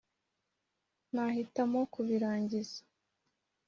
nahitamo kubirangiza.